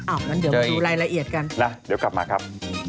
อ้าวอย่างนั้นเดี๋ยวมาดูรายละเอียดกันนะเดี๋ยวกลับมาครับ